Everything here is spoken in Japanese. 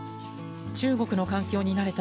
中国の環境に慣れた